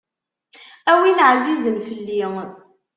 A win ɛzizen fell-i.